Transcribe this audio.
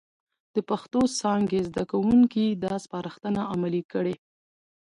د پښتو څانګې زده کوونکي دا سپارښتنه عملي کړي،